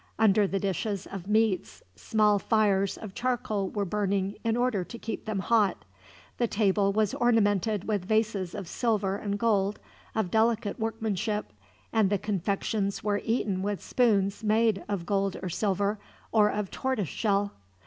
Under the dishes of meats, small fires of charcoal were burning in order to keep them hot. The table was ornamented with vases of silver and gold, of delicate workmanship, and the confections were eaten with spoons made of gold or silver, or of tortoise shell.